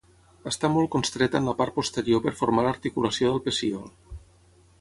Està molt constreta en la part posterior per formar l'articulació del pecíol.